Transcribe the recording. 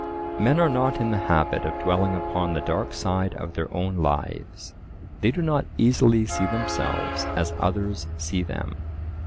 Men are not in the habit of dwelling upon the dark side of their own lives: they do not easily see themselves as others see them.